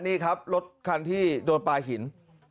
นี่ครับรถคันที่โดนปลาหิน